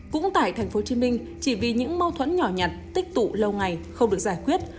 cũng tại tp hcm chỉ vì những mâu thuẫn nhỏ nhặt tích tụ lâu ngày không được giải quyết